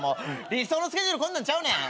理想のスケジュールこんなんちゃうねん。